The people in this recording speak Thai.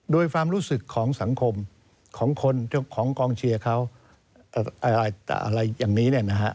โดยความรู้สึกของสังคมของคนเจ้าของกองเชียร์เขาอะไรอย่างนี้